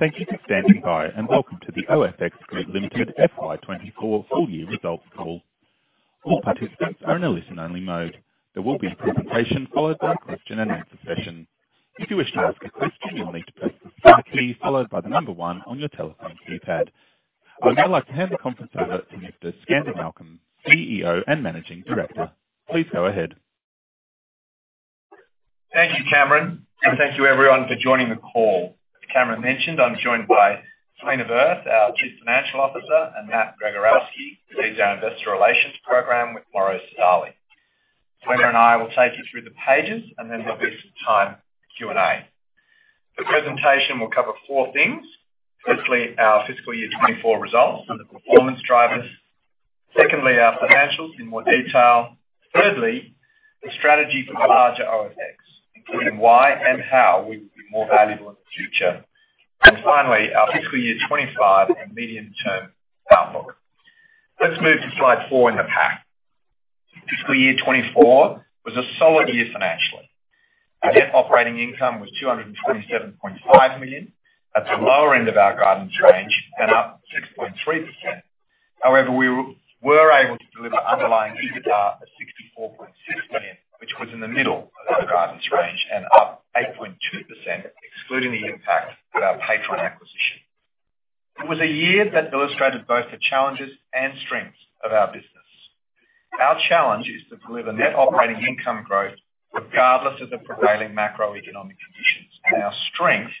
Thank you for standing by, and welcome to the OFX Group Limited FY24 full year results call. All participants are in a listen-only mode. There will be a presentation followed by a question-and-answer session. If you wish to ask a question, you'll need to press the star key, followed by the number one on your telephone keypad. I would now like to hand the conference over to Skander Malcolm, CEO and Managing Director. Please go ahead. Thank you, Cameron, and thank you everyone for joining the call. As Cameron mentioned, I'm joined by Selena Verth, our Chief Financial Officer, and Matt Gregorowski, who leads our Investor Relations program with Morrow Sodali. Selena and I will take you through the pages, and then there'll be some time for Q&A. The presentation will cover four things: firstly, our fiscal year 2024 results and the performance drivers. Secondly, our financials in more detail. Thirdly, the strategy for the larger OFX, including why and how we will be more valuable in the future. And finally, our fiscal year 2025 and medium-term outlook. Let's move to Slide 4 in the pack. Fiscal year 2024 was a solid year financially. Our net operating income was 227.5 million. That's the lower end of our guidance range and up 6.3%. However, we were able to deliver underlying EBITDA of 64.6 million, which was in the middle of the guidance range and up 8.2%, excluding the impact of our Paytron acquisition. It was a year that illustrated both the challenges and strengths of our business. Our challenge is to deliver net operating income growth regardless of the prevailing macroeconomic conditions. Our strength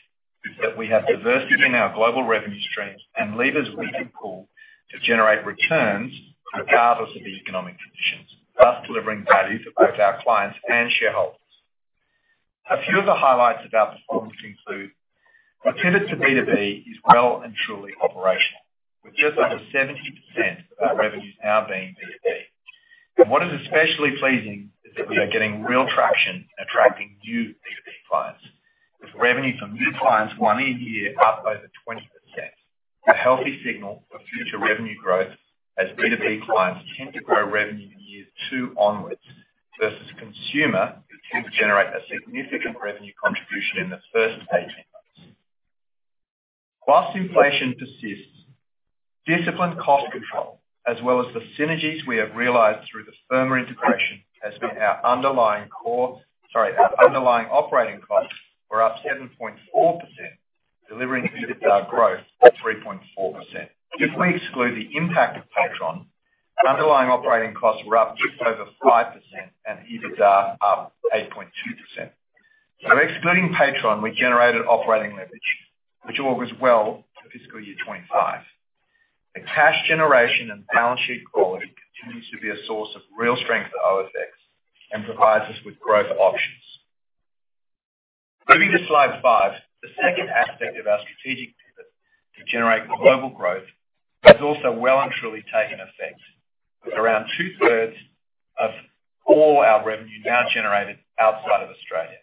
is that we have diversity in our global revenue streams and levers we can pull to generate returns regardless of the economic conditions, thus delivering value for both our clients and shareholders. A few of the highlights of our performance include: our pivot to B2B is well and truly operational, with just over 70% of our revenues now being B2B. What is especially pleasing is that we are getting real traction attracting new B2B clients, with revenue from new clients one year up over 20%. A healthy signal for future revenue growth, as B2B clients tend to grow revenue in years 2 onwards versus consumer, who tends to generate a significant revenue contribution in the first 18 months. While inflation persists, disciplined cost control, as well as the synergies we have realized through the Paytron integration, has been our underlying core... Sorry, our underlying operating costs were up 7.4%, delivering EBITDA growth of 3.4%. If we exclude the impact of Paytron, our underlying operating costs were up just over 5% and EBITDA up 8.2%. So excluding Paytron, we generated operating leverage, which augurs well for fiscal year 2025. The cash generation and balance sheet quality continues to be a source of real strength for OFX and provides us with growth options. Moving to Slide 5, the second aspect of our strategic pivot to generate global growth has also well and truly taken effect, with around two-thirds of all our revenue now generated outside of Australia.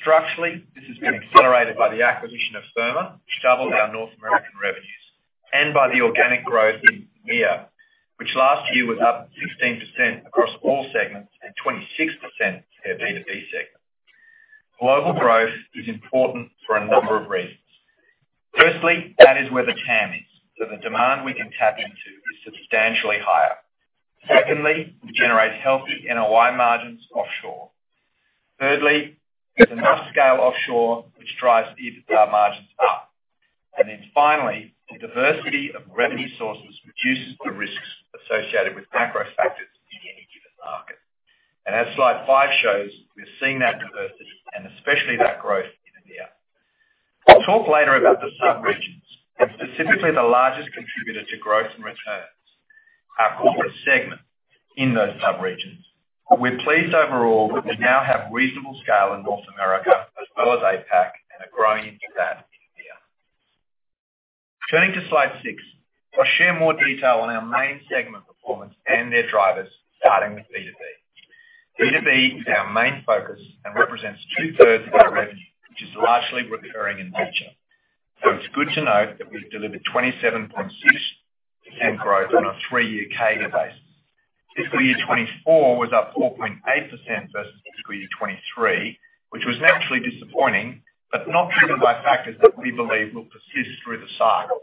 Structurally, this has been accelerated by the acquisition of Firma, which doubled our North American revenues, and by the organic growth in EMEA, which last year was up 16% across all segments and 26% for our B2B segment. Global growth is important for a number of reasons. Firstly, that is where the TAM is, so the demand we can tap into is substantially higher. Secondly, we generate healthy NOI margins offshore. Thirdly, there's enough scale offshore, which drives EBITDA margins up. Then finally, the diversity of revenue sources reduces the risks associated with macro factors in any given market. As Slide 5 shows, we're seeing that diversity and especially that growth in EMEA. We'll talk later about the sub-regions, and specifically the largest contributor to growth and returns, our corporate segment in those sub-regions. We're pleased overall that we now have reasonable scale in North America as well as APAC, and are growing into that in EMEA. Turning to Slide 6, I'll share more detail on our main segment performance and their drivers, starting with B2B. B2B is our main focus and represents two-thirds of our revenue, which is largely recurring in nature. It's good to note that we've delivered 27.6% growth on a three-year CAGR base. Fiscal year 2024 was up 4.8% versus fiscal year 2023, which was naturally disappointing, but not driven by factors that we believe will persist through the cycle.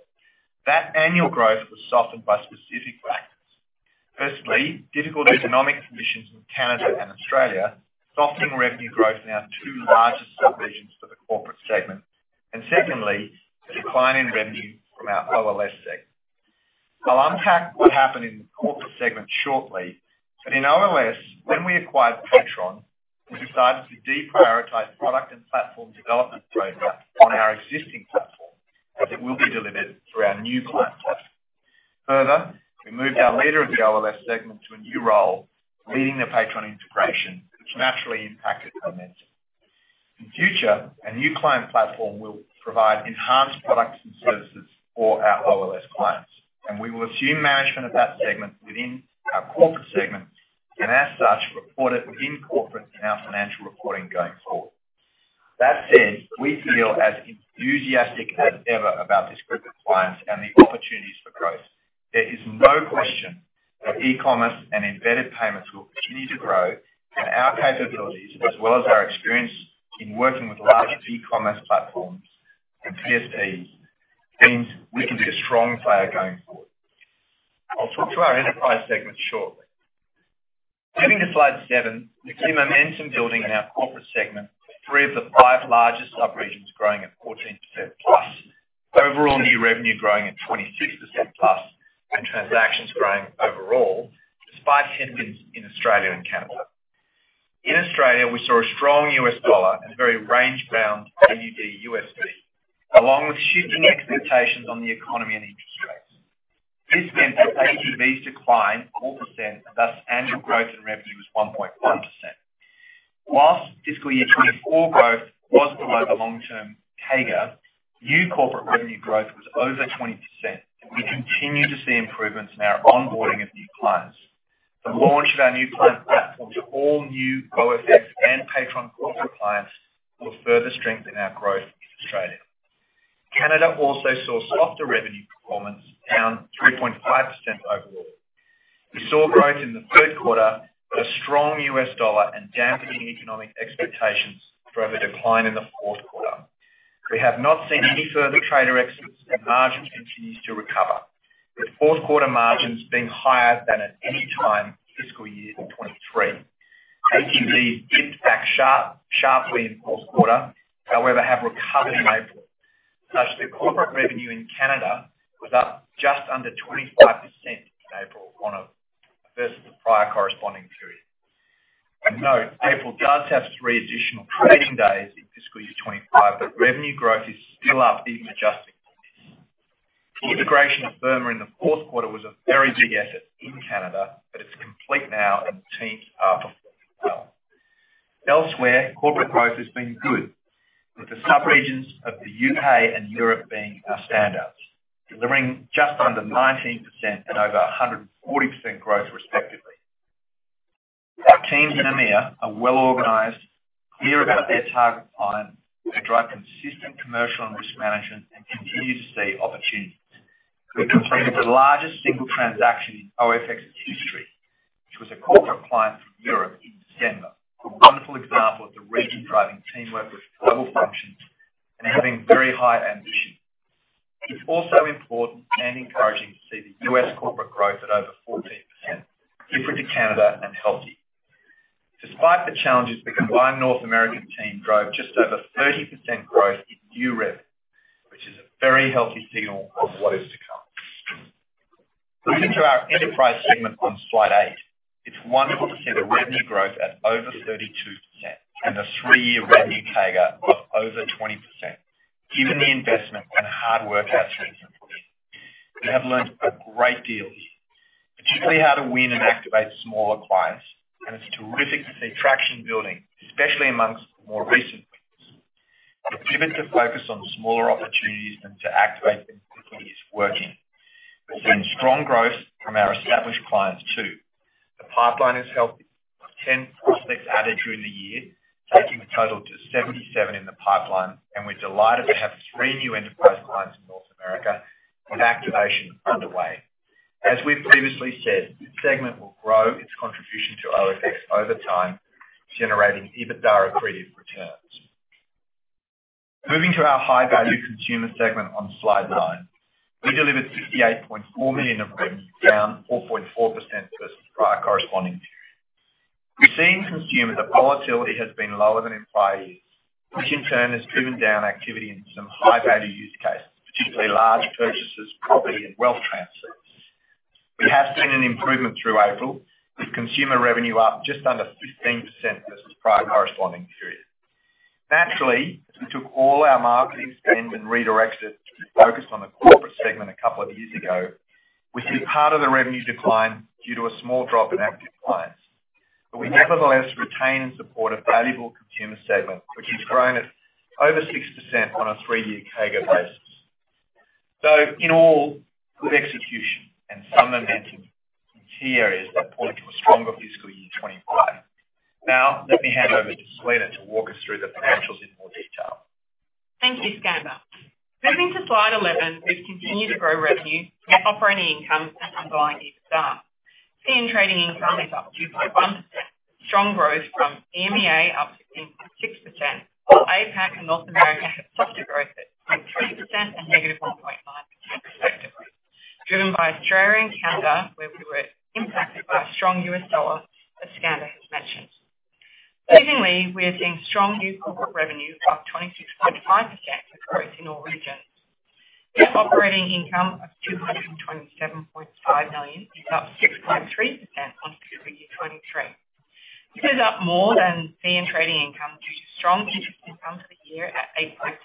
That annual growth was softened by specific factors. Firstly, difficult economic conditions in Canada and Australia, softening revenue growth in our two largest sub-regions for the corporate segment. Secondly, a decline in revenue from our OLS segment. I'll unpack what happened in the corporate segment shortly, but in OLS, when we acquired Paytron, we decided to deprioritize product and platform development programs on our existing platform, as it will be delivered through our new client platform. Further, we moved our leader of the OLS segment to a new role, leading the Paytron integration, which naturally impacted the momentum. In future, a new client platform will provide enhanced products and services for our OLS clients, and we will assume management of that segment within our corporate segment, and as such, report it in corporate in our financial reporting going forward. That said, we feel as enthusiastic as ever about these crypto clients. There is no question that e-commerce and embedded payments will continue to grow, and our capabilities, as well as our experience in working with large e-commerce platforms and CSPs, means we can be a strong player going forward. I'll talk to our enterprise segment shortly. Moving to Slide 7, we see momentum building in our corporate segment, three of the five largest sub-regions growing at 14%+. Overall, new revenue growing at 26%+, and transactions growing overall, despite headwinds in Australia and Canada. In Australia, we saw a strong US dollar and very range-bound AUDUSD, along with shifting expectations on the economy and interest rates. This meant that ATVs declined 4%, and thus annual growth in revenue was 1.1%. Whilst fiscal year 2024 growth was below the long-term CAGR, new corporate revenue growth was over 20%, and we continue to see improvements in our onboarding of new clients. The launch of our new client platform to all new OFX and Paytron corporate clients will further strengthen our growth in Australia. Canada also saw softer revenue performance, down 3.5% overall. We saw growth in the third quarter, but a strong US dollar and dampening economic expectations drove a decline in the fourth quarter. We have not seen any further trader exits, and margin continues to recover, with fourth quarter margins being higher than at any time in fiscal year 2023. ATVs did drop sharply in fourth quarter, however, have recovered in April, thus the corporate revenue in Canada was up just under 25% in April, on a versus the prior corresponding period. Note, April does have three additional trading days in fiscal year 2025, but revenue growth is still up even adjusting for this. The integration of Firma in the fourth quarter was a very big effort in Canada, but it's complete now and seeing high performance well. Elsewhere, corporate growth has been good, with the sub-regions of the UK and Europe being our standouts, delivering just under 19% and over 140% growth, respectively. Our teams in EMEA are well organized, clear about their target clients. They drive consistent commercial and risk management, and continue to see opportunities. We've completed the largest single transaction in OFX history, which was a corporate client from Europe in December. A wonderful example of the region driving teamwork with global functions and having very high ambition. It's also important and encouraging to see the U.S. corporate growth at over 14%, different to Canada and healthy. Despite the challenges, the combined North American team drove just over 30% growth in new revenue, which is a very healthy signal of what is to come. Moving to our enterprise segment on Slide 8, it's wonderful to see the revenue growth at over 32% and a three-year revenue CAGR of over 20%. Given the investment and hard work our team has put in, we have learned a great deal here, particularly how to win and activate smaller clients, and it's terrific to see traction building, especially among the more recent wins. The pivot to focus on smaller opportunities and to activate them quickly is working. We've seen strong growth from our established clients, too. The pipeline is healthy, with 10 prospects added during the year, taking the total to 77 in the pipeline, and we're delighted to have 3 new enterprise clients in North America, with activation underway. As we've previously said, this segment will grow its contribution to OFX over time, generating EBITDA accretive returns. Moving to our high-value consumer segment on Slide 9, we delivered 68.4 million in revenue, down 4.4% versus prior corresponding period. We've seen consumer volatility has been lower than in prior years, which in turn has driven down activity in some high-value use cases, particularly large purchases, property, and wealth transfers. We have seen an improvement through April, with consumer revenue up just under 15% versus prior corresponding period. Naturally, we took all our marketing spend and redirected to focus on the corporate segment a couple of years ago, which is part of the revenue decline due to a small drop in active clients. But we nevertheless retain and support a valuable consumer segment, which has grown at over 6% on a three-year CAGR basis. So in all, good execution and some momentum in key areas that point to a stronger fiscal year 25. Now, let me hand over to Selena to walk us through the financials in more detail. Thank you, Skander. Moving to Slide 11, we've continued to grow revenue, net operating income, and underlying EBITDA. Fee and trading income is up 2.1%. Strong growth from EMEA, up 16.6%, while APAC and North America have softer growth at 0.3% and -1.9% respectively, driven by Australia and Canada, where we were impacted by a strong U.S. dollar, as Skander has mentioned. Secondly, we are seeing strong new corporate revenue, up 26.5% with growth in all regions. Net operating income of 227.5 million is up 6.3% on fiscal year 2023. This is up more than fee and trading income due to strong interest income for the year at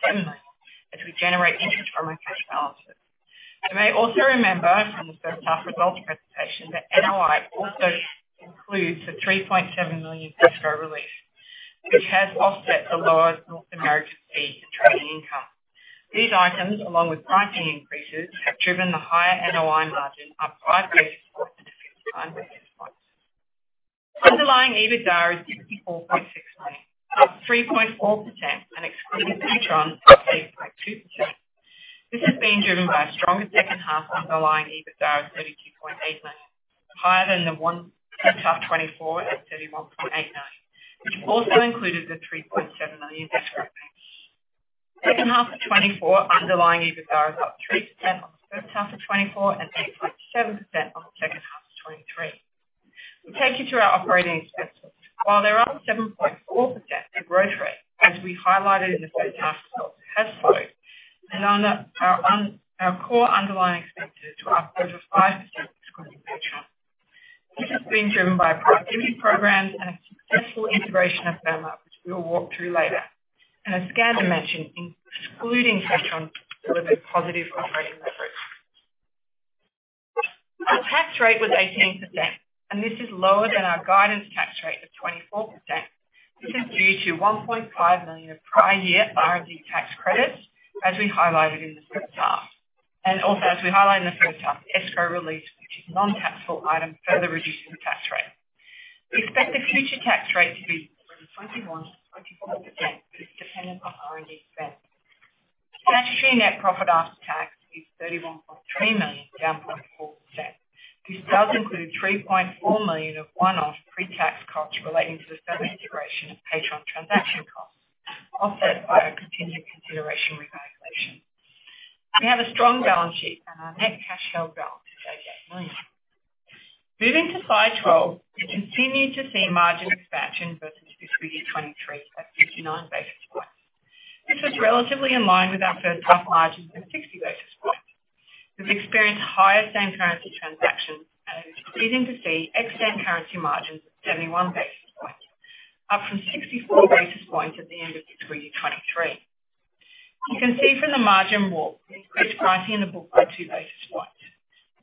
8.7 million, as we generate interest on our cash balances. You may also remember from the first half results presentation that NOI also includes a 3.7 million tax relief, which has offset the lower North American fee and trading income. These items, along with pricing increases, have driven the higher NOI margin up five basis points... EBITDA is 54.6 million, up 3.4% and excluding Paytron, up 8.2%. This has been driven by a stronger second half underlying EBITDA of 32.8 million, higher than the first half 2024 at 31.89 million, which also included the 3.7 million escrow payment. Second half of 2024 underlying EBITDA is up 3% on the first half of 2024 and 8.7% on the second half of 2023. We'll take you through our operating expenses. While they're up 7.4% to growth rate, as we highlighted in the first half, has slowed, and on our our core underlying expenses to up just 5%, excluding Paytron. This has been driven by productivity programs and a successful integration of Firma, which we will walk through later. And as Skander mentioned, in excluding Paytron, there was a positive operating leverage. Our tax rate was 18%, and this is lower than our guidance tax rate of 24%. This is due to 1.5 million of prior year R&D tax credits, as we highlighted in the first half. And also, as we highlighted in the first half, the escrow release, which is a non-cash flow item, further reducing the tax rate. We expect the future tax rate to be between 21%-24%, but it's dependent on R&D spend. Statutory net profit after tax is 31.3 million, down 0.4%. This does include 3.4 million of one-off pre-tax costs relating to the sale integration of Paytron transaction costs, offset by a contingent consideration revaluation. We have a strong balance sheet, and our net cash float balance is AUD 80 million. Moving to Slide 12, we continue to see margin expansion versus fiscal year 2023 at 59 basis points. This was relatively in line with our first half margins of 60 basis points. We've experienced higher same-currency transactions, and it is pleasing to see FX currency margins of 71 basis points, up from 64 basis points at the end of fiscal year 2023. You can see from the margin walk, increased pricing in the book by two basis points.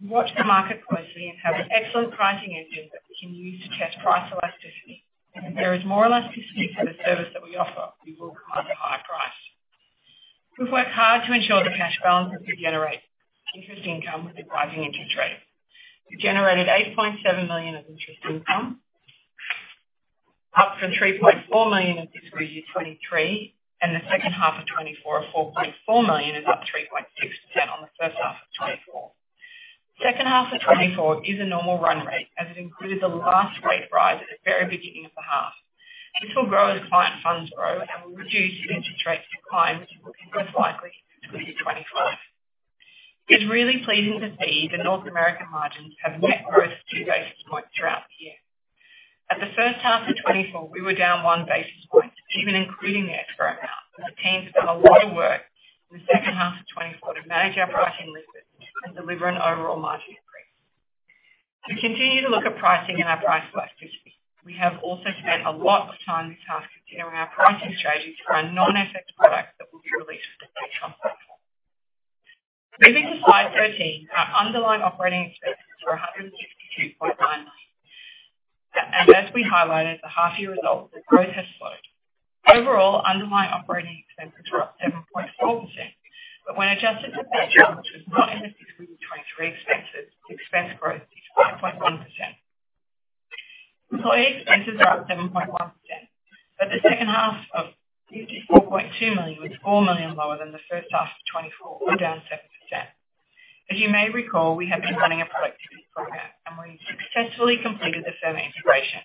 We watch the market closely and have an excellent pricing engine that we can use to test price elasticity. If there is more elasticity for the service that we offer, we will price a higher price. We've worked hard to ensure the cash balance could generate interest income with the rising interest rates. We generated 8.7 million of interest income, up from 3.4 million in fiscal year 2023, and the second half of 2024 of 4.4 million is up 3.6% on the first half of 2024. Second half of 2024 is a normal run rate, as it included the last rate rise at the very beginning of the half. This will grow as client funds grow and will reduce if interest rates decline, which is looking most likely in fiscal year 2025. It's really pleasing to see the North American margins have net growth 2 basis points throughout the year. At the first half of 2024, we were down 1 basis point, even including the escrow amount. The team's done a lot of work in the second half of 2024 to manage our pricing discipline and deliver an overall margin increase. We continue to look at pricing and our price elasticity. We have also spent a lot of time this half considering our pricing strategies for our non-FX products that will be released in the second half. Moving to Slide 13, our underlying operating expenses were 162.9. And as we highlighted, the half year results, the growth has slowed. Overall, underlying operating expenses are up 7.4%, but when adjusted to Paytron, which was not in the fiscal year 2023 expenses, expense growth is 5.1%. Employee expenses are up 7.1%, but the second half of 54.2 million was 4 million lower than the first half of 2024, or down 7%. As you may recall, we have been running a productivity program, and we successfully completed the Firma integration.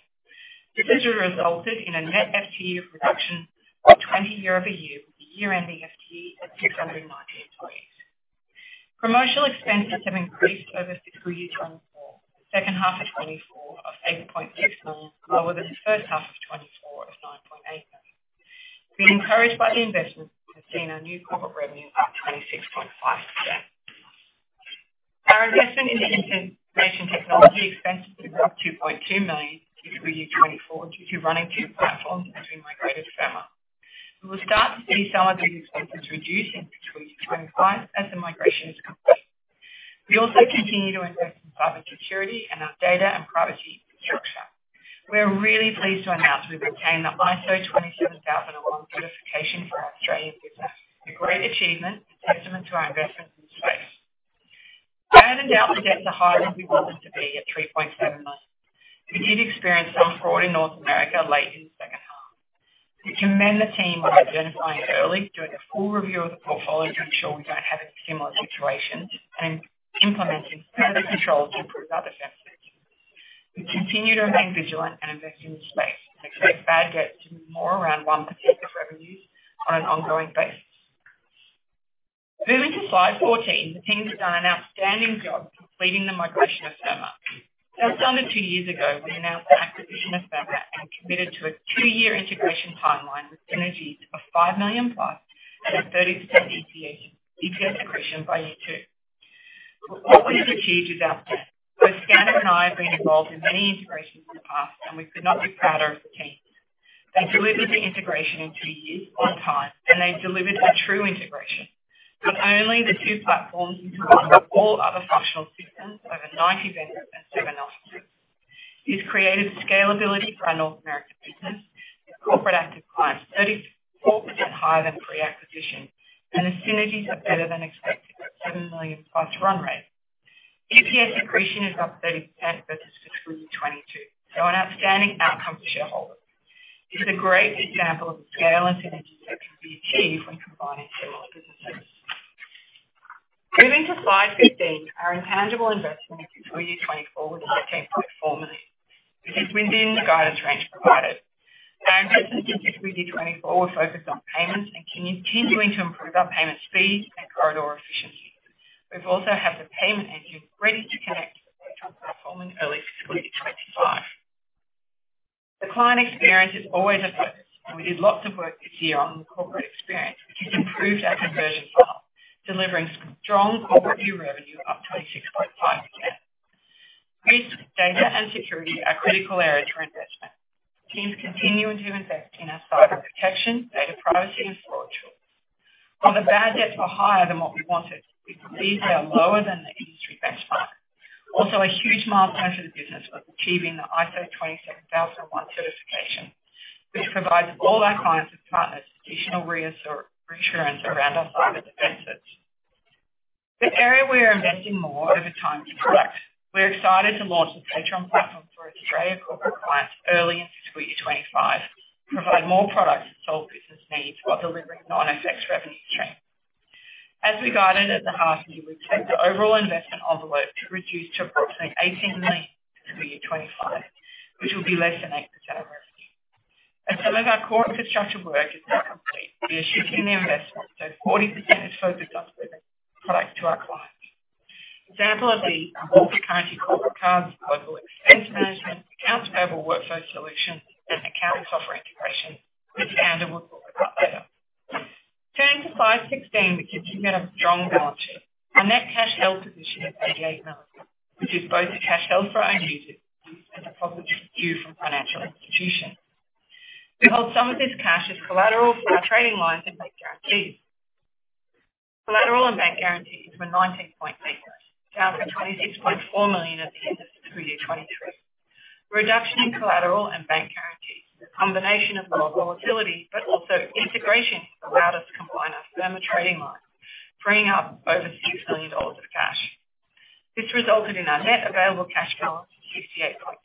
This has resulted in a net FTE reduction of 20 year-over-year, with the year-ending FTE at 690 employees. Promotional expenses have increased over fiscal year 2024. The second half of 2024 of 8.6 million, lower than the first half of 2024 of 9.8 million. We're encouraged by the investment and have seen our new corporate revenue up 26.5%. Our investment in the information technology expenses were up 2.2 million in fiscal year 2024, due to running two platforms as we migrated to Firma. We will start to see some of these expenses reduce in fiscal year 2025 as the migration is complete. We also continue to invest in cyber security and our data and privacy infrastructure. We're really pleased to announce we've obtained the ISO 27001 certification for our Australian business. A great achievement, a testament to our investments in the space. Bad and doubtful debts are higher than we want them to be at 3.7 million. We did experience some fraud in North America late in the second half. We commend the team on identifying it early, doing a full review of the portfolio to ensure we don't have any similar situations, and implementing further controls to improve other aspects. We continue to remain vigilant and invest in this space and expect bad debt to be more around 1% of revenues on an ongoing basis. Moving to Slide 14, the team has done an outstanding job completing the migration of Firma. Just under 2 years ago, we announced the acquisition of Firma and committed to a two-year integration timeline with synergies of 5 million+ and a 30% EBITDA, EPS accretion by year ywo What we have achieved is outstanding. Both Skander and I have been involved in many integrations in the past, and we could not be prouder of the team. They delivered the integration in 2 years on time, and they've delivered a true integration. Not only the two platforms, but all other functional systems, over 90 vendors and 7 offices. It's created scalability for our North American business, corporate active clients 34% higher than pre-acquisition, and the synergies are better than expected, at 7 million+ run rate. EPS accretion is up 30% versus fiscal 2022, so an outstanding outcome for shareholders. This is a great example of the scale and synergy that can be achieved when combining similar businesses. Moving to Slide 15, our intangible investment in fiscal year 2024 was 15.4 million, which is within the guidance range provided. Our investment in fiscal year 2024 were focused on payments and continuing to improve our payment speeds and corridor efficiency. We've also had the payment engine ready to connect to our platform in early fiscal year 2025. The client experience is always a focus, and we did lots of work this year on the corporate experience, which has improved our conversion cycle, delivering strong corporate new revenue up 26.5%. Risk, data, and security are critical areas for investment. Teams continuing to invest in our cyber protection, data privacy, and storage tools. While the bad debts are higher than what we wanted, these are lower than the industry benchmark. Also, a huge milestone for the business was achieving the ISO 27001 certification, which provides all our clients and partners additional reassurance around our cyber defenses. The area we are investing more over time is product. We're excited to launch the Paytron platform for Australia corporate clients early in fiscal year 2025, to provide more products to solve business needs while delivering non-FX revenue stream. As we guided at the half year, we expect the overall investment envelope to reduce to approximately 18 million fiscal year 2025, which will be less than 8% of revenue. Some of our core infrastructure work is now complete. We are shifting the investment, so 40% is focused on delivering product to our clients. Example are the multi-currency corporate cards, global expense management, accounts payable workflow solutions, and accounting software integration, which Andrew will talk about later. Turning to Slide 16, we continue to have a strong balance sheet. Our net cash held position is 88 million, which is both the cash held for our own use and deposits we hold with financial institutions. We hold some of this cash as collateral for our trading lines and bank guarantees. Collateral and bank guarantees were 19.8 million, down from 26.4 million at the end of fiscal year 2023. Reduction in collateral and bank guarantees is a combination of lower volatility, but also integration allowed us to combine our Firma trading lines, freeing up over 6 million dollars of cash. This resulted in our net available cash balance of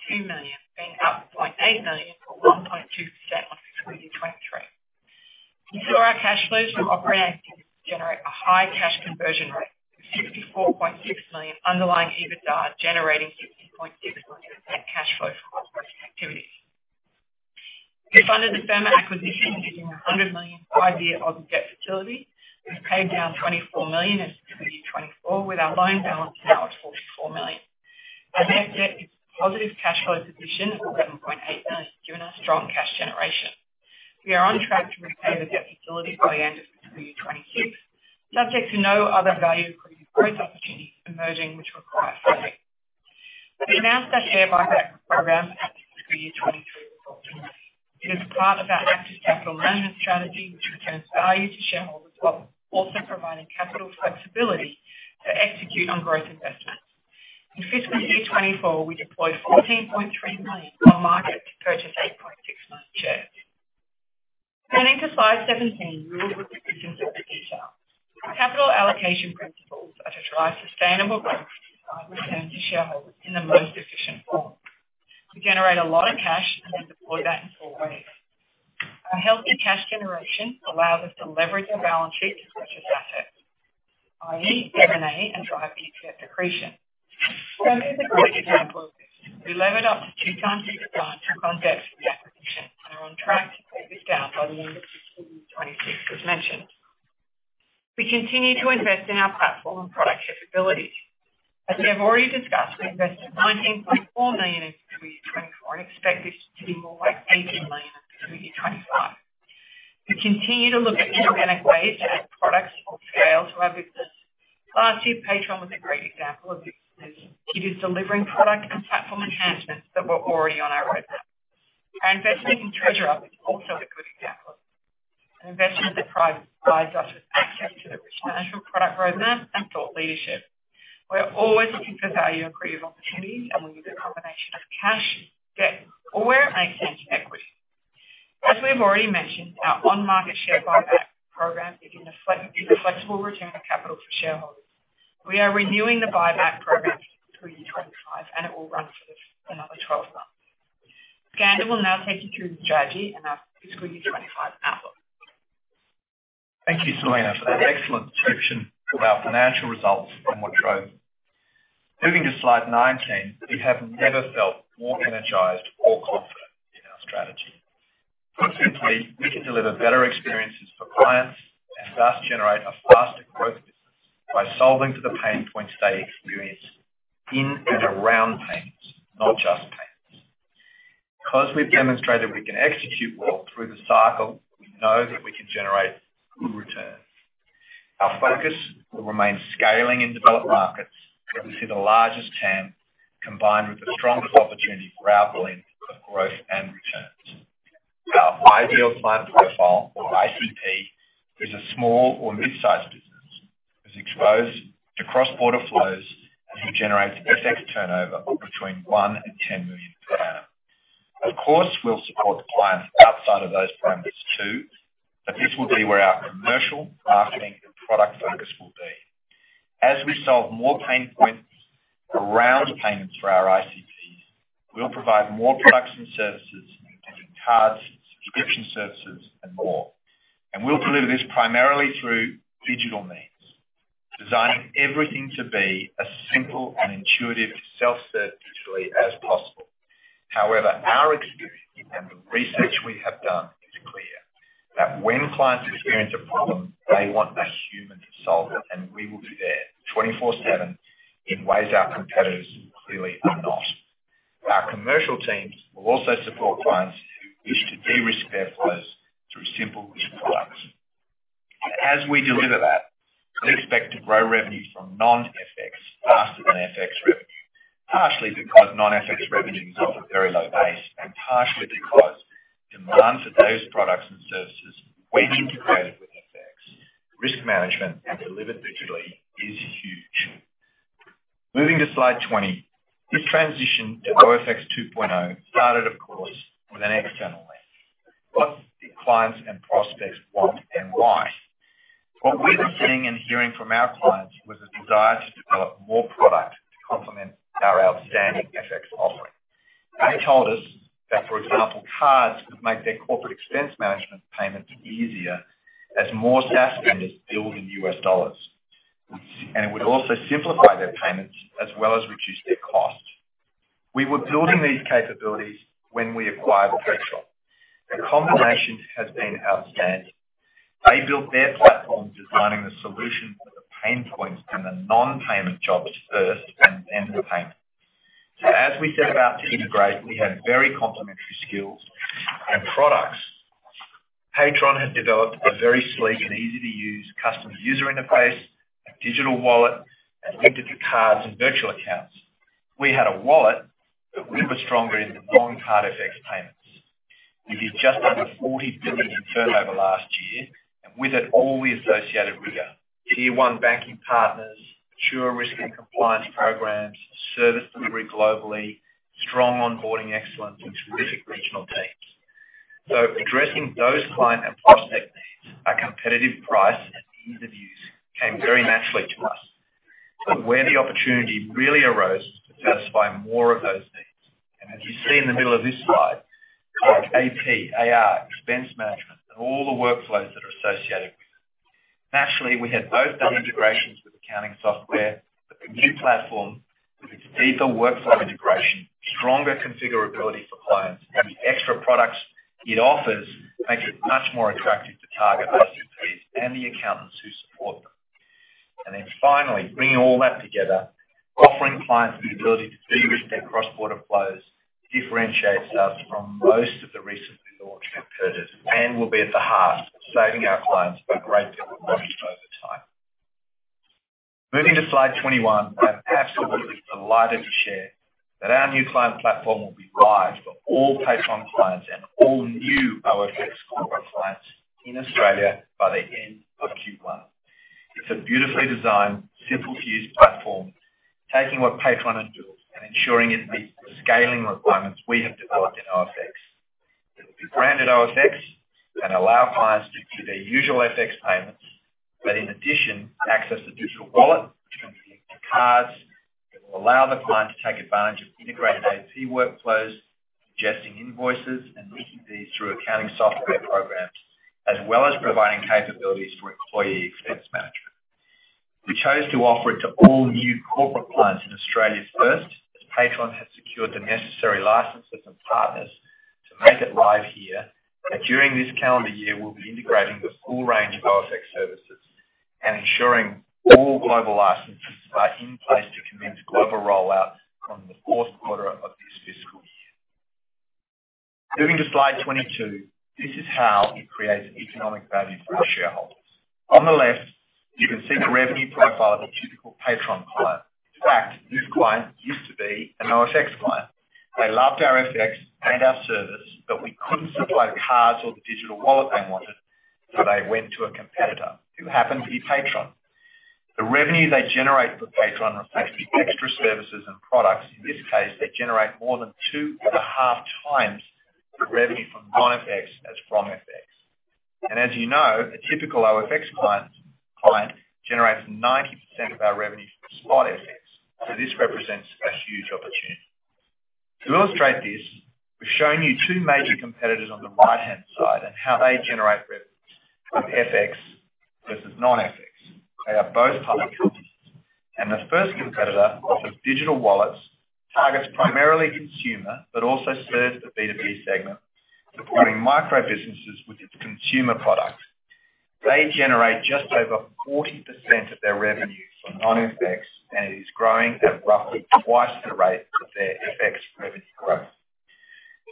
68.2 million, being up 0.8 million, or 1.2% on fiscal year 2023. You saw our cash flows from operating activities generate a high cash conversion rate of 64.6 million underlying EBITDA, generating 15.6% cash flow from operating activities. We funded the Firma acquisition using a 100 million five-year corporate debt facility. We've paid down 24 million in fiscal year 2024, with our loan balance now at 44 million. Our net debt is a positive cash flow position of 11.8 million, given our strong cash generation. We are on track to repay the debt facility by the end of fiscal year 2026, subject to no other value accretive growth opportunities emerging, which require funding. We announced our share buyback program for fiscal year 2023. It is part of our active capital management strategy, which returns value to shareholders, while also providing capital flexibility to execute on growth investments. In fiscal year 2024, we deployed 14.3 million on market to purchase 8.6 million shares. Turning to Slide 17, we look at the pictures of the future. Our capital allocation principles are to drive sustainable growth, return to shareholders in the most efficient form. We generate a lot of cash, and we deploy that in four ways. A healthy cash generation allows us to leverage our balance sheet to purchase assets, i.e., M&A, and drive EPS accretion. So as a good example, we levered up to 2x EBITDA to take on debt for the acquisition and are on track to pay this down by the end of fiscal year 2026, as mentioned. We continue to invest in our platform and product capabilities. As I've already discussed, we invested 19.4 million in fiscal year 2024 and expect this to be more like 18 million in fiscal year 2025. We continue to look at organic ways to add products or scale to our business. Last year, Paytron was a great example of this. It is delivering product and platform enhancements that were already on our roadmap. Our investment in TreasurUp is also a good example. An investment that provides us with access to the rich financial product roadmap and thought leadership. We are always looking for value accretive opportunities, and we use a combination of cash, debt, or where it makes sense, equity. As we have already mentioned, our on-market share buyback program is a flexible return of capital for shareholders. We are renewing the buyback program in fiscal year 25, and it will run for another 12 months. Andrew will now take you through the strategy and our fiscal year 25 outlook. Thank you, Selena, for that excellent description of our financial results from H2 FY24. Moving to Slide 19, we have never felt more energized or confident in our strategy. Put simply, we can deliver better experiences for clients and thus generate a faster growth business by solving for the pain points they experience in and around payments, not just payments. Because we've demonstrated we can execute well through the cycle, we know that we can generate good returns. Our focus will remain scaling in developed markets, where we see the largest TAM, combined with the strongest opportunity for our blend of growth and returns. Our ideal client profile, or ICP, is a small or mid-sized business, is exposed to cross-border flows, and who generates FX turnover between 1 million and 10 million. Of course, we'll support the clients outside of those parameters, too, but this will be where our commercial, marketing, and product focus will be. As we solve more pain points around payments for our ICPs, we'll provide more products and services, including cards, subscription services, and more. We'll deliver this primarily through digital means, designing everything to be as simple and intuitive, self-serve, digitally as possible. However, our experience and the research we have done is clear, that when clients experience a problem, they want a human to solve it, and we will be there 24/7 in ways our competitors clearly are not. Our commercial teams will also support clients who wish to de-risk their flows through simple risk products. As we deliver that, we expect to grow revenue from non-FX faster than FX revenue, partially because non-FX revenue is off a very low base, and partially because demand for those products and services, when integrated with FX, risk management, and delivered digitally, is huge. Moving to Slide 20. This transition to OFX 2.0 started, of course, with an external lens. What do clients and prospects want and why? What we were seeing and hearing from our clients was a desire to develop more product to complement our outstanding FX offering. They told us that, for example, cards would make their corporate expense management payments easier as more SaaS vendors build in US dollars. And it would also simplify their payments as well as reduce their costs. We were building these capabilities when we acquired Paytron. The combination has been outstanding. They built their platform designing the solution for the pain points and the non-payment jobs first, and then the payment. So as we set about to integrate, we had very complementary skills and products. Paytron had developed a very sleek and easy-to-use custom user interface, a digital wallet, and physical cards and virtual accounts. We had a wallet, but we were stronger in the foreign exchange FX payments. We did just under 40 billion in turnover last year, and with it, all the associated rigor. Tier one banking partners, mature risk and compliance programs, service delivery globally, strong onboarding excellence, and terrific regional teams. So addressing those client and prospect needs at competitive price and ease of use came very naturally to us. But where the opportunity really arose is to satisfy more of those needs. As you see in the middle of this slide, like AP, AR, expense management, and all the workflows that are associated with it. Naturally, we had both done integrations with accounting software, but the new platform, with its deeper workflow integration, stronger configurability for clients, and the extra products it offers, makes it much more attractive to target ICPs and the accountants who support them. And then finally, bringing all that together, offering clients the ability to de-risk their cross-border flows differentiates us from most of the recently launched competitors and will be at the heart of saving our clients a great deal of money over time. Moving to Slide 21. I'm absolutely delighted to share that our new client platform will be live for all Paytron clients and all new OFX corporate clients in Australia by the end of Q1. It's a beautifully designed, simple to use platform, taking what Paytron has built and ensuring it meets the scaling requirements we have developed in OFX. It will be branded OFX and allow clients to do their usual FX payments, but in addition, access a digital wallet, which can be linked to cards. It will allow the client to take advantage of integrated AP workflows, ingesting invoices, and linking these through accounting software programs, as well as providing capabilities for employee expense management. We chose to offer it to all new corporate clients in Australia first, as Paytron has secured the necessary licenses and partners to make it live here. But during this calendar year, we'll be integrating the full range of OFX services and ensuring all global licenses are in place to commence global rollout from the fourth quarter of this fiscal year. Moving to Slide 22. This is how it creates economic value for our shareholders. On the left, you can see the revenue profile of a typical Paytron client. In fact, this client used to be an OFX client. They loved our FX and our service, but we couldn't supply the cards or the digital wallet they wanted, so they went to a competitor, who happened to be Paytron. The revenue they generate for Paytron reflects the extra services and products. In this case, they generate more than 2.5x the revenue from non-FX as from FX. As you know, a typical OFX client generates 90% of our revenue from Spot FX, so this represents a huge opportunity. To illustrate this, we've shown you two major competitors on the right-hand side and how they generate revenue from FX versus non-FX. They are both public companies, and the first competitor offers digital wallets, targets primarily consumer, but also serves the B2B segment, supporting micro-businesses with its consumer product. They generate just over 40% of their revenue from non-FX, and it is growing at roughly twice the rate of their FX revenue growth.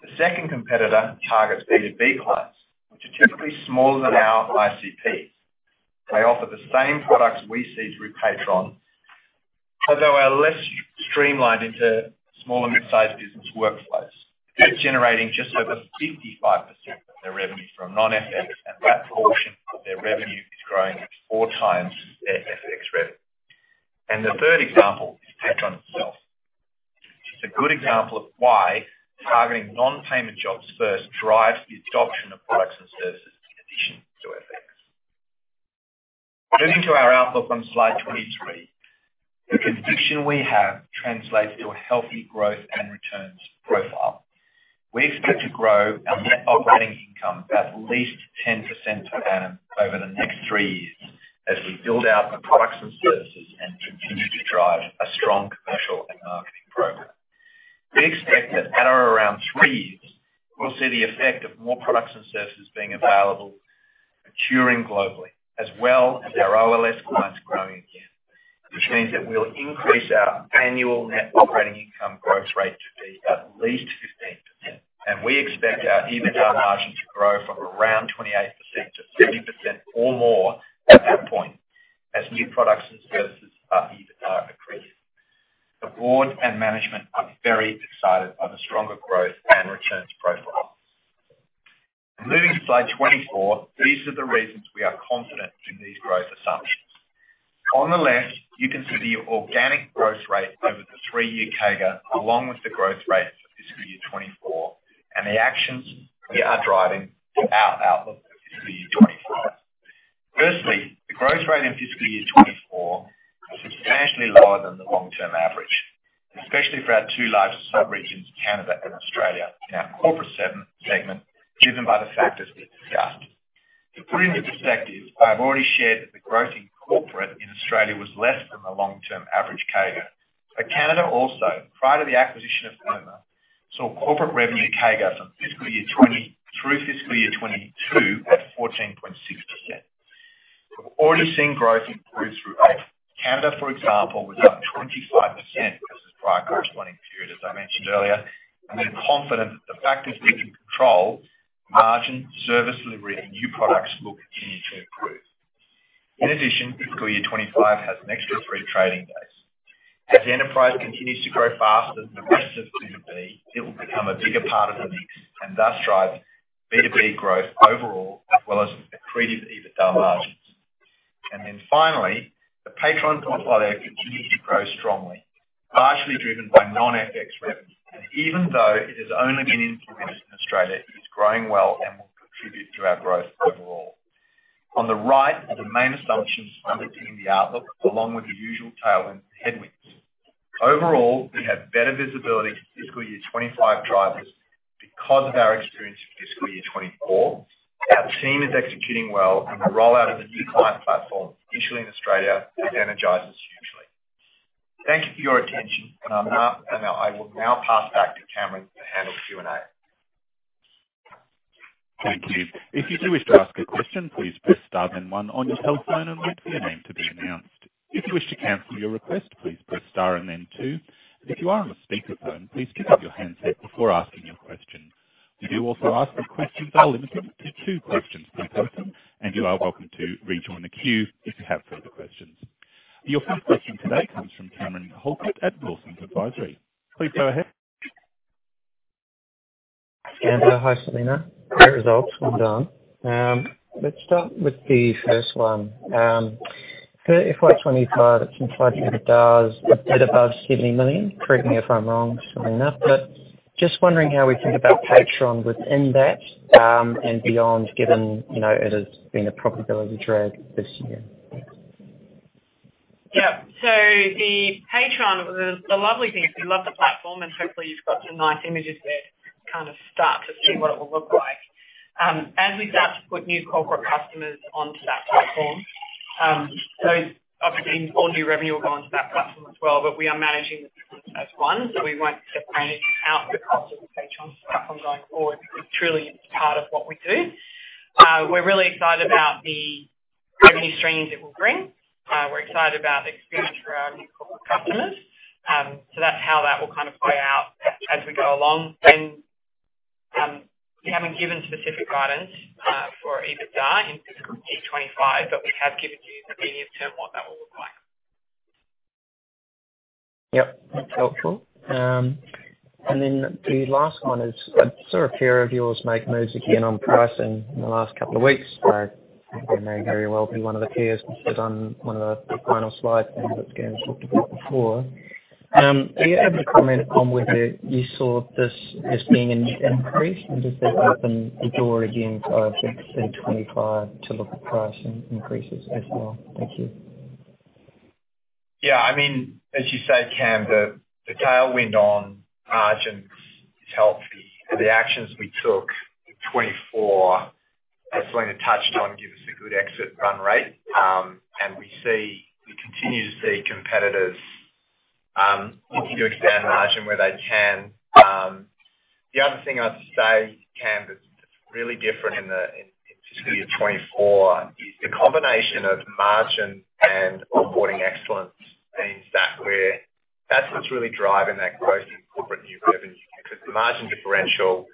The second competitor targets B2B clients, which are typically smaller than our ICPs. They offer the same products we see through Paytron, although are less streamlined into small and mid-sized business workflows. They're generating just over 55% of their revenue from non-FX, and that portion of their revenue is growing 4x their FX revenue. The third example is Paytron itself. It's a good example of why targeting non-payment jobs first drives the adoption of products and services in addition to FX. Moving to our outlook on Slide 23, the conviction we have translates to a healthy growth and returns profile. We expect to grow our net operating income at least 10% per annum over the next 3 years as we build out the products and services and continue to drive a strong commercial and marketing program. We expect that at around 3 years, we'll see the effect of more products and services being available, maturing globally, as well as our OLS clients growing again, which means that we'll increase our annual net operating income growth rate to be at least 15%. We expect our EBITDA margin to grow from around 28% margin, service delivery, and new products will continue to improve. In addition, fiscal year 2025 has an extra 3 trading days. As the enterprise continues to grow faster than the rest of B2B, it will become a bigger part of the mix and thus drive B2B growth overall, as well as accretive EBITDA margins. And then finally, the Paytron platform continues to grow strongly, largely driven by non-FX revenue. And even though it has only been in business in Australia, it's growing well and will contribute to our growth overall. On the right are the main assumptions underpinning the outlook, along with the usual tailwind and headwinds. Overall, we have better visibility to fiscal year 2025 drivers. Because of our experience in fiscal year 2024, our team is executing well, and the rollout of the new client platform, initially in Australia, energizes hugely. Thank you for your attention, and I will now pass back to Cameron to handle the Q&A. Thank you. If you do wish to ask a question, please press star then one on your telephone and wait for your name to be announced. If you wish to cancel your request, please press star and then two. If you are on a speakerphone, please pick up your handset before asking your question. We do also ask that questions are limited to two questions per person, and you are welcome to rejoin the queue if you have further questions. Your first question today comes from Cameron Holbrook at Wilsons Advisory. Please go ahead. Cameron, hi, Selena. Great results, well done. Let's start with the first one. For FY 25, its implied EBITDA is a bit above 70 million. Correct me if I'm wrong, Selena, but just wondering how we think about Paytron within that, and beyond, given, you know, it has been a profitability drag this year. Yeah. So the Paytron, the lovely thing, we love the platform, and hopefully you've got some nice images there to kind of start to see what it will look like. As we start to put new corporate customers onto that platform, so obviously all new revenue will go onto that platform as well, but we are managing the two as one, so we won't separate out the cost of the Paytron platform going forward. It truly is part of what we do. We're really excited about the how many streams it will bring. We're excited about the experience for our new corporate customers. So that's how that will kind of play out as we go along. We haven't given specific guidance for EBITDA in fiscal year 25, but we have given you the medium term, what that will look like. Yep, that's helpful. And then the last one is, I've saw a peer of yours make moves again on pricing in the last couple of weeks. They may very well be one of the peers that on one of the final slides that Cameron's talked about before. Are you able to comment on whether you saw this as being an increase, and does that open the door again to OFX 25 to look at pricing increases as well? Thank you. Yeah, I mean, as you say, Cam, the tailwind on margins is healthy. The actions we took in 2024, as Selena touched on, give us a good exit run rate. And we see. We continue to see competitors looking to expand margin where they can. The other thing I'd say, Cam, that's really different in fiscal year 2024 is the combination of margin and onboarding excellence means that we're that's what's really driving that growth in corporate new revenue, because the margin differential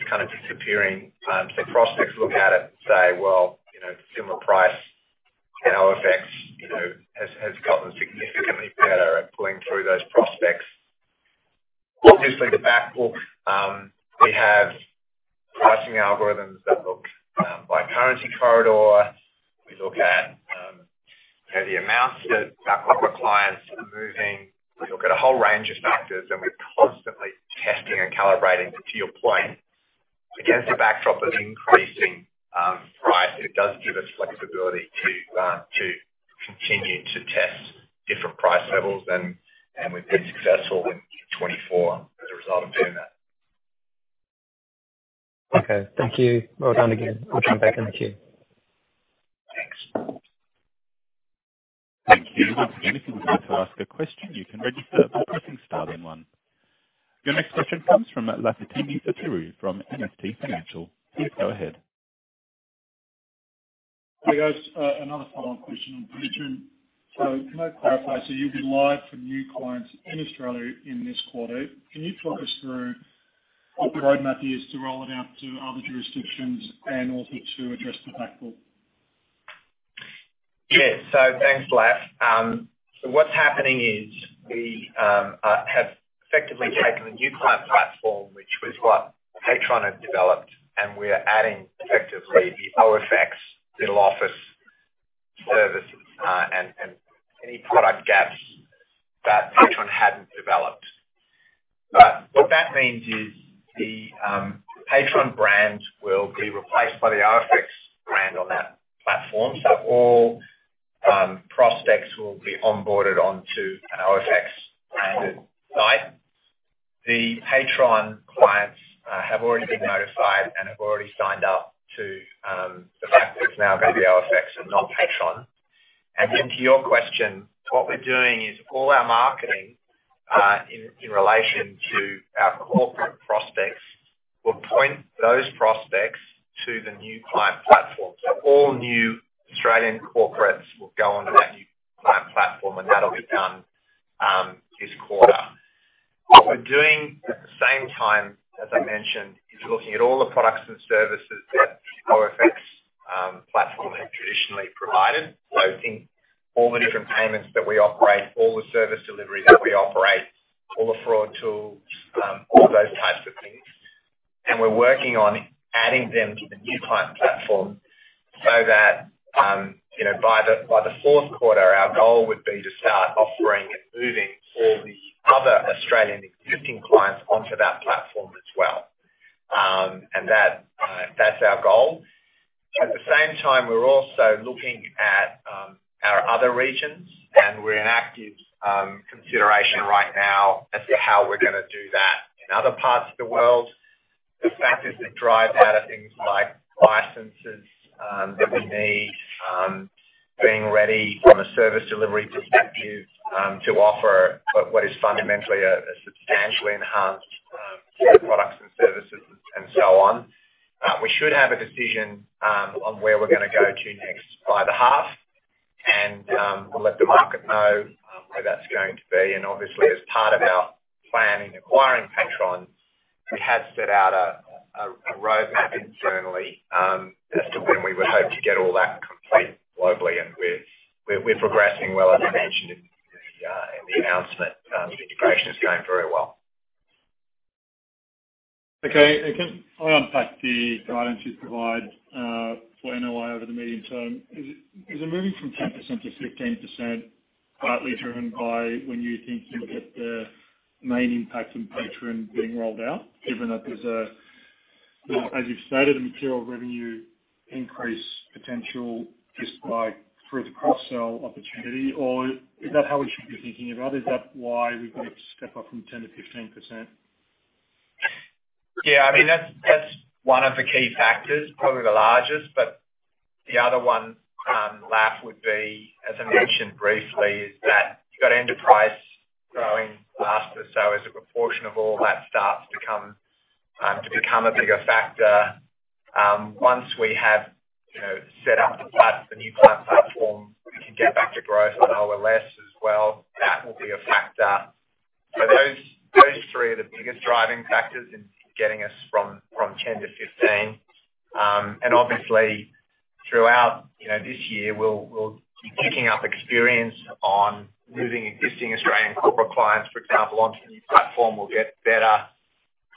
is kind of disappearing. So prospects look at it and say, "Well, you know, similar price, and OFX, you know, has gotten significantly better at pulling through those prospects." The back book, we have pricing algorithms that look by currency corridor. We look at, you know, the amounts that our corporate clients are moving. We look at a whole range of factors, and we're constantly testing and calibrating. To your point, against the backdrop of increasing price, it does give us flexibility to continue to test different price levels, and we've been successful in 2024 as a result of doing that. Okay, thank you. Well done again. I'll jump back in the queue. Thanks. Thank you. If anyone would like to ask a question, you can register by pressing star then one. Your next question comes from Lafitani Sotiriou from MST Financial. Please go ahead. Hey, guys. Another follow-up question on Paytron. So can I clarify, so you'll be live for new clients in Australia in this quarter. Can you talk us through what the roadmap is to roll it out to other jurisdictions and also to address the back book? Yeah. So thanks, Laf. So what's happening is we have effectively taken the new client platform, which was what Paytron had developed, and we are adding effectively the OFX middle office services, and any product gaps that Paytron hadn't developed. But what that means is the Paytron brand will be replaced by the OFX brand on that platform. So all prospects will be onboarded onto an OFX-branded site. The Paytron clients have already been notified and have already signed up to the platform that's now going to be OFX and not Paytron. And then to your question, what we're doing is all our marketing in relation to our corporate prospects will point those prospects to the new client platform. So all new Australian corporates will go onto that new client platform, and that'll be done this quarter. What we're doing at the same time, as I mentioned, is looking at all the products and services that OFX platform has traditionally provided. So think all the different payments that we operate, all the service delivery that we operate, all the fraud tools, all those types of things, and we're working on adding them to the new client platform so that, you know, by the fourth quarter, our goal would be to start offering and moving all the other Australian existing clients onto that platform as well. And that, that's our goal. At the same time, we're also looking at our other regions, and we're in active consideration right now as to how we're gonna do that in other parts of the world. The factors that drive that are things like licenses, that we need, being ready from a service delivery perspective, to offer what is fundamentally a substantially enhanced set of products and services and so on. We should have a decision on where we're gonna go to next by the half, and, we'll let the market know, where that's going to be. And obviously, as part of our plan in acquiring Paytron, we have set out a roadmap internally, as to when we would hope to get all that complete globally. And we're progressing well, as I mentioned in the announcement. The integration is going very well. Okay. And can I unpack the guidance you provide for NOI over the medium term? Is it, is it moving from 10%-15% partly driven by when you think you'll get the main impact from Paytron being rolled out, given that there's a, as you've stated, a material revenue increase potential just by, through the cross-sell opportunity, or is that how we should be thinking about it? Is that why we've got to step up from 10%-15%? Yeah. I mean, that's one of the key factors, probably the largest, but the other one, Laf, would be, as I mentioned briefly, is that you've got enterprise growing faster, so as a proportion of all that starts to come to become a bigger factor, once we have, you know, set up the new client platform, we can get back to growth on OLS as well. That will be a factor. So those three are the biggest driving factors in getting us from 10 to 15. And obviously, throughout, you know, this year, we'll be picking up experience on moving existing Australian corporate clients, for example, onto the new platform. We'll get better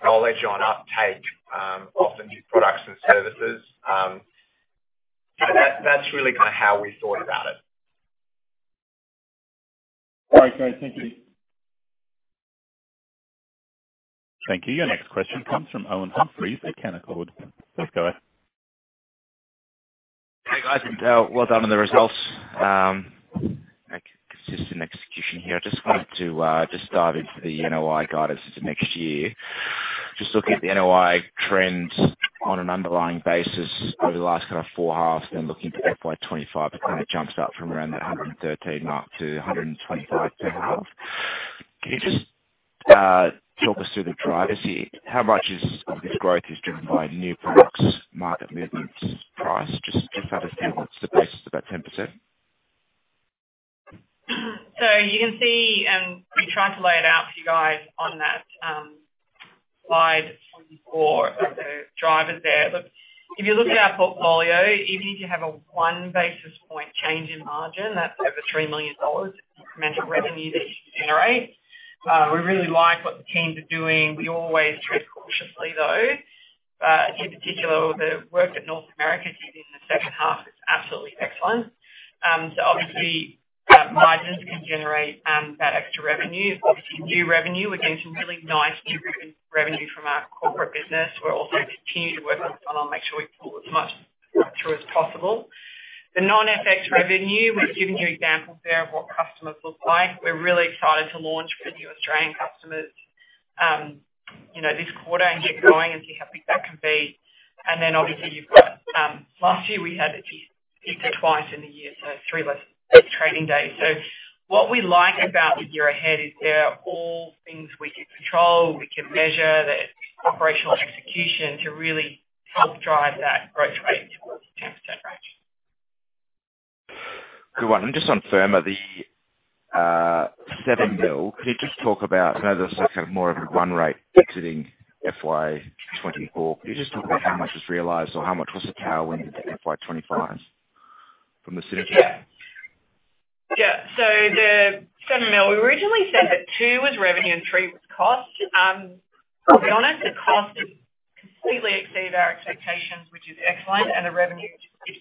knowledge on uptake of the new products and services. So that's really kind of how we thought about it. All right, great. Thank you. Thank you. Your next question comes from Owen Humphries at Canaccord. Please go ahead. Hey, guys, and well done on the results. Consistent execution here. I just wanted to just dive into the NOI guidance for next year. Just looking at the NOI trends on an underlying basis over the last kind of four halves, then looking forward to FY 2025, it kind of jumps up from around that 113 up to 125 per half. Can you just talk us through the drivers here? How much is, of this growth is driven by new products, market movements, price? Just, just have a feel what's the basis of that 10%? So you can see, we tried to lay it out for you guys on that presentation- Slide 4 of the drivers there. Look, if you look at our portfolio, if you have a one basis point change in margin, that's over 3 million dollars incremental revenue that you generate. We really like what the teams are doing. We always tread cautiously, though, but in particular, the work that North America did in the second half is absolutely excellent. So obviously, margins can generate that extra revenue. Obviously, new revenue, we've seen some really nice new revenue from our corporate business. We're also continuing to work on, make sure we pull as much through as possible. The non-FX revenue, we've given you examples there of what customers look like. We're really excited to launch with new Australian customers, you know, this quarter and get going and see how big that can be. And then obviously, you've got, last year, we had it twice in the year, so three less trading days. So what we like about the year ahead is they're all things we can control, we can measure, the operational execution to really help drive that growth rate towards the 10% range. Good one. Just on Firma, the 7 million, can you just talk about, I know there's kind of more of a run rate exiting FY 2024. Can you just talk about how much is realized or how much was the tailwind in FY 2025 from the synergy? Yeah. So the 7 million, we originally said that two was revenue and three was cost. To be honest, the cost has completely exceeded our expectations, which is excellent, and the revenue is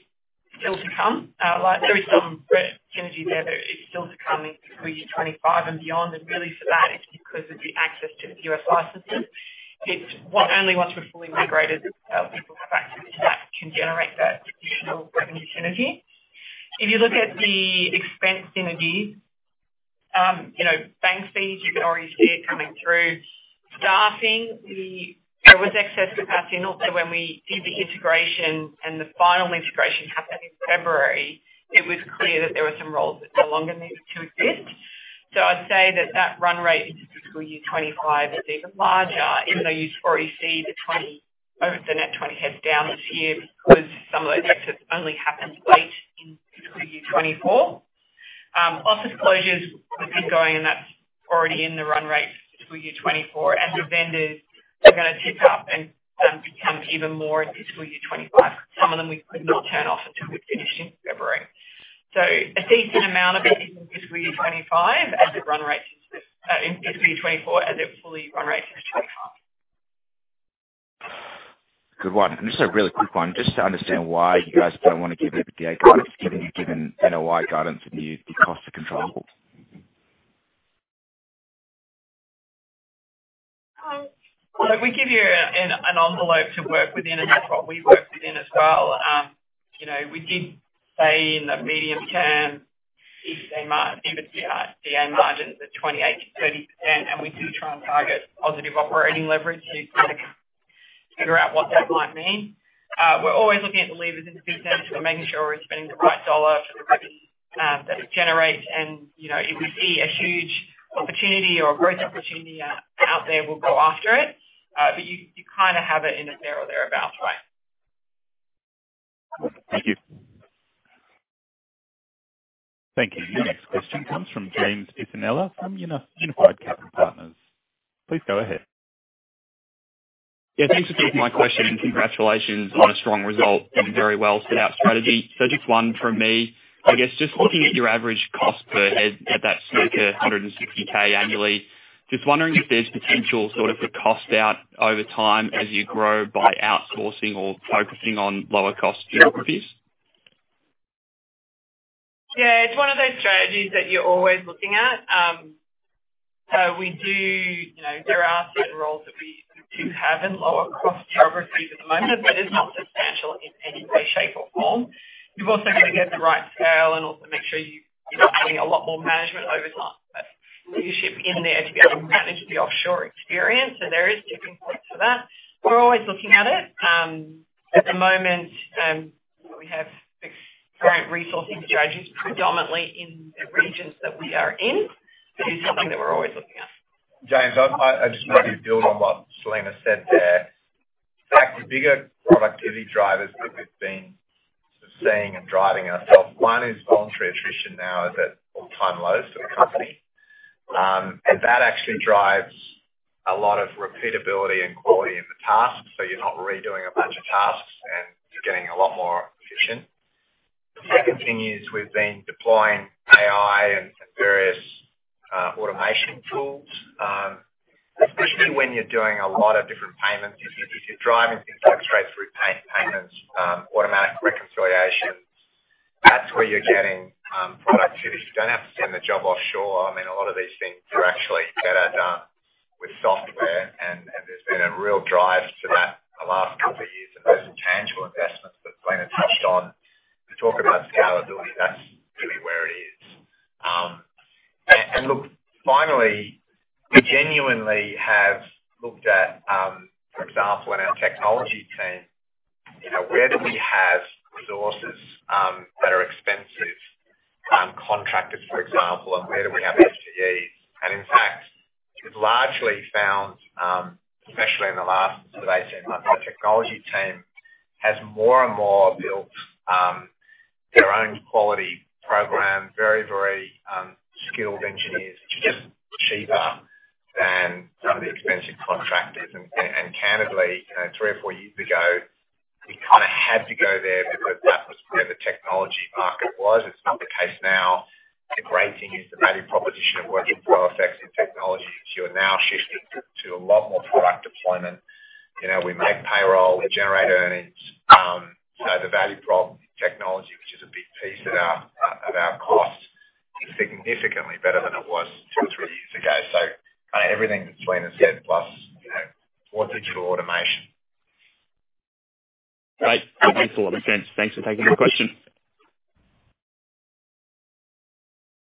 still to come. Like, there is some great synergy there, but it's still to come in fiscal year 2025 and beyond. And really for that, it's because of the access to the U.S. licenses. It's only once we're fully migrated, we will have access to that, can generate that additional revenue synergy. If you look at the expense synergy, you know, bank fees, you can already see it coming through. Staffing, there was excess capacity, not when we did the integration, and the final integration happened in February, it was clear that there were some roles that no longer needed to exist. So I'd say that that run rate into fiscal year 2025 is even larger, even though you already see the 20, over the net 20 heads down this year, because some of those exits only happened late in fiscal year 2024. Office closures have been going, and that's already in the run rate for fiscal year 2024, and the vendors are going to tip up and, become even more in fiscal year 2025. Some of them we could not turn off until we'd finished in February. So a decent amount of it in fiscal year 2025, as it run rates in fiscal year 2024 as it fully run rates in 2025. Good one. And just a really quick one, just to understand why you guys don't want to give EBITDA guidance, given you've given NOI guidance and the cost of capital? Well, we give you an envelope to work within, and that's what we work within as well. You know, we did say in the medium term, EBITDA margins of 28%-30%, and we do try and target positive operating leverage to figure out what that might mean. We're always looking at the levers in the business. We're making sure we're spending the right dollar for the revenue that it generates, and, you know, if we see a huge opportunity or a growth opportunity out there, we'll go after it. But you kind of have it in a barrel there about right. Thank you. Thank you. The next question comes from James Bisinella from Unified Capital Partners. Please go ahead. Yeah, thanks for taking my question, and congratulations on a strong result and a very well set out strategy. So just one from me. I guess, just looking at your average cost per head at that number, 160,000 annually, just wondering if there's potential sort of to cut costs over time as you grow by outsourcing or focusing on lower cost geographies? Yeah, it's one of those strategies that you're always looking at. So we do. You know, there are certain roles that we do have in lower cost geographies at the moment, but it's not substantial in any way, shape, or form. You've also got to get the right scale and also make sure you're not getting a lot more management over time, but leadership in there to be able to manage the offshore experience, so there is tipping points for that. We're always looking at it. At the moment, we have current resourcing strategies predominantly in the regions that we are in. But it's something that we're always looking at. James, I just maybe build on what Selena said there. In fact, the bigger productivity drivers that we've been seeing and driving ourselves, one is voluntary attrition now is at all-time lows for the company. And that actually drives a lot of repeatability and quality in the tasks, so you're not redoing a bunch of tasks, and you're getting a lot more efficient. The second thing is we've been deploying AI and various automation tools, especially when you're doing a lot of different payments. If you're driving things like straight-through payments, automatic reconciliation, that's where you're getting productivity. You don't have to send the job offshore. I mean, a lot of these things are actually better done with software, and there's been a real drive to that in the last couple of years, and those are tangible investments that Selena touched on. To talk about scalability, that's really where it is. Look, finally, we genuinely have looked at, for example, in our technology team, you know, where do we have resources that are expensive, contracted, for example, and where do we have FTEs? And in fact, we've largely found, especially in the last sort of 18 months, the technology team has more and more built own quality program, very, very, skilled engineers. It's just cheaper than some of the expensive contractors. candidly, you know, three or four years ago, we kind of had to go there because that was where the technology market was. It's not the case now. The great thing is the value proposition of working with FX in technology is you are now shifting to a lot more product deployment. You know, we make payroll, we generate earnings. So the value prop in technology, which is a big piece of our costs, is significantly better than it was two or three years ago. So kind of everything that Selena said, plus, you know, more digital automation. Great. Well, thanks a lot, James. Thanks for taking the question.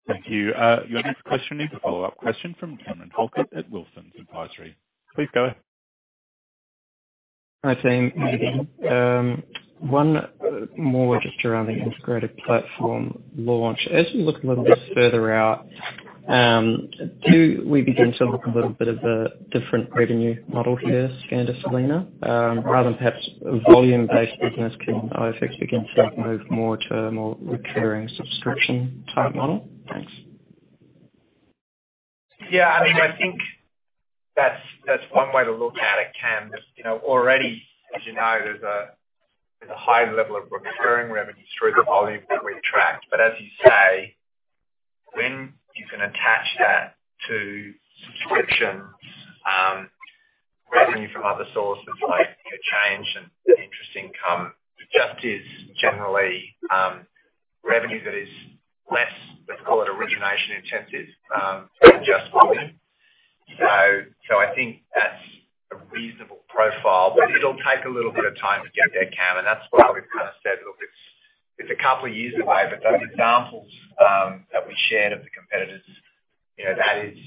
Thank you. Your next question is a follow-up question from Cameron Holbrook at Wilsons Advisory. Please go. Hi, team, good day. One more just around the integrated platform launch. As we look a little bit further out, do we begin to look a little bit of a different revenue model here, Skander or Selena? Rather than perhaps volume-based business, can OFX begin to move more to a more recurring subscription-type model? Thanks. Yeah, I mean, I think that's one way to look at it, Cam. But, you know, already, as you know, there's a high level of recurring revenue through the volume that we attract. But as you say, when you can attach that to subscriptions, revenue from other sources like exchange and interest income, it just is generally revenue that is less, let's call it, origination intensive than just volume. So I think that's a reasonable profile, but it'll take a little bit of time to get there, Cam, and that's why we've kind of said, look, it's a couple of years away. But those examples that we shared of the competitors, you know, that is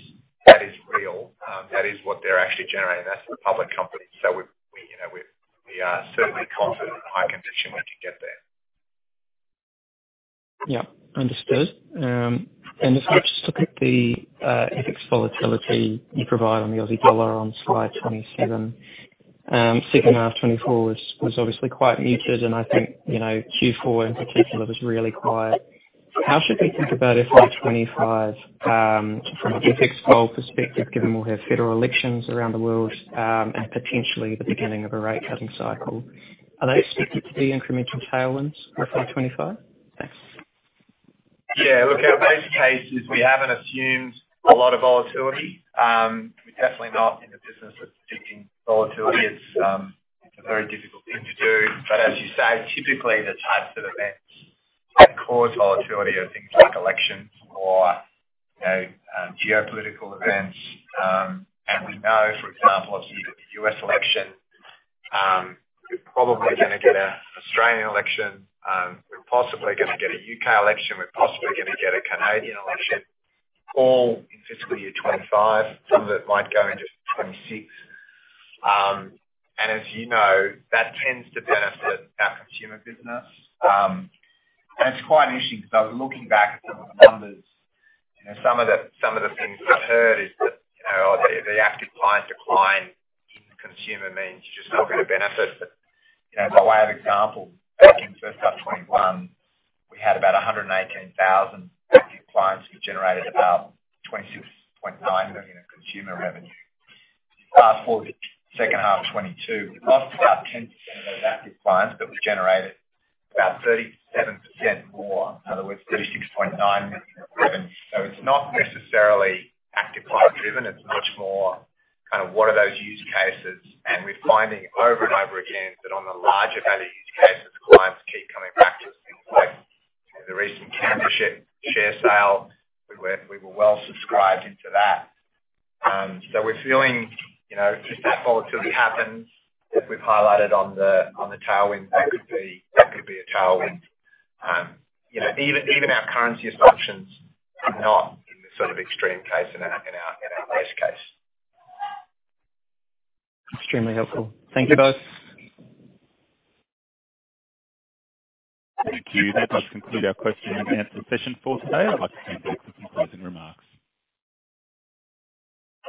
real. That is what they're actually generating. That's the public company. So we, you know, we are certainly confident and high conviction we can get there. Yeah. Understood. And just looking at the FX volatility you provide on the Aussie dollar on Slide 27, second half 2024 was obviously quite muted, and I think, you know, Q4 in particular was really quiet. How should we think about FY 25 from an FX vol perspective, given we'll have federal elections around the world and potentially the beginning of a rate cutting cycle? Are they expected to be incremental tailwinds, FY 25? Thanks. Yeah. Look, our base case is we haven't assumed a lot of volatility. We're definitely not in the business of predicting volatility. It's a very difficult thing to do. But as you say, typically the types of events that cause volatility are things like elections or, you know, geopolitical events. And we know, for example, obviously, the U.S. election, we're probably gonna get an Australian election, we're possibly gonna get a U.K. election, we're possibly gonna get a Canadian election, all in fiscal year 25. Some of it might go into 26. And as you know, that tends to benefit our consumer business. And it's quite interesting because I was looking back at some of the numbers. You know, some of the, some of the things we've heard is that, you know, oh, the, the active client decline in consumer means just not going to benefit. But, you know, by way of example, back in first half 2021, we had about 118,000 active clients, which generated about 26.9 million in consumer revenue. Fast forward to the second half of 2022, we lost about 10% of those active clients, but we generated about 37% more. In other words, 36.9 million in revenue. So it's not necessarily active client driven. It's much more kind of what are those use cases? And we're finding over and over again, that on the larger value use cases, clients keep coming back to us. Things like the recent Canva share sale, we were well subscribed into that. So we're feeling, you know, if that volatility happens, as we've highlighted on the tailwind, that could be a tailwind. You know, even our currency assumptions are not in the sort of extreme case in our base case. Extremely helpful. Thank you both. Thank you. That does conclude our question and answer session for today. I'd like to hand back to some closing remarks.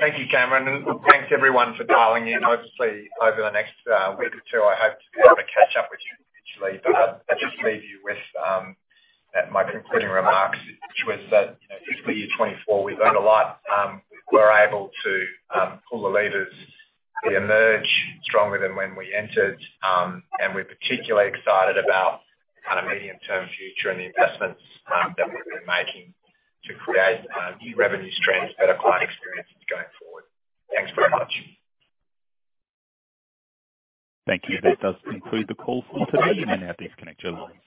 Thank you, Cameron, and thanks, everyone, for dialing in. Obviously, over the next week or two, I hope to be able to catch up with you individually. But I'll just leave you with my concluding remarks, which was that, you know, fiscal year 2024, we've learned a lot. We're able to pull the levers. We emerge stronger than when we entered. And we're particularly excited about the kind of medium-term future and the investments that we've been making to create new revenue streams, better client experiences going forward. Thanks very much. Thank you. That does conclude the call for today, and now disconnect your lines.